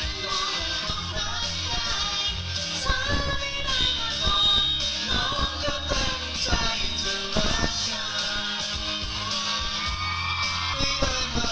ฝีมือควันและฝุ่น